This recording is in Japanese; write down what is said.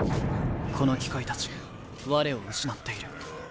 この機械たち我を失っている。